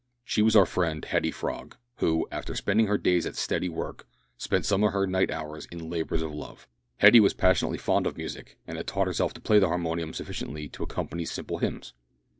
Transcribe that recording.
She was our friend Hetty Frog, who, after spending her days at steady work, spent some of her night hours in labours of love. Hetty was passionately fond of music, and had taught herself to play the harmonium sufficiently to accompany simple hymns.